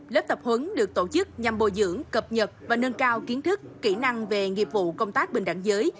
lớp tập huấn được tổ chức nhằm bồi dưỡng cập nhật và nâng cao kiến thức kỹ năng về nghiệp vụ công tác bình đẳng giới